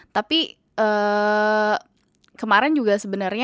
tapi kemarin juga sebenarnya